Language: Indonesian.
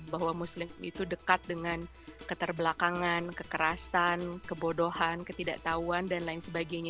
bahwa muslim itu dekat dengan keterbelakangan kekerasan kebodohan ketidaktahuan dan lain sebagainya